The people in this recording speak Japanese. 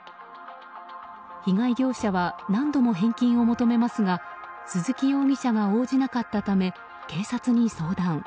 被害業者は何度も返金を求めますが鈴木容疑者が応じなかったため警察に相談。